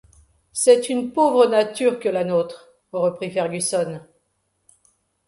C’est une pauvre nature que la nôtre! reprit Fergusson.